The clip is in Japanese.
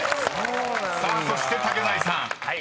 ［さあそして竹財さん「式典」］